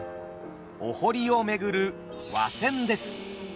お堀を巡る和船です。